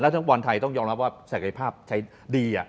และเธอกบอลไทยต้องยอมรับว่าศักยภาพใช้ดีอะ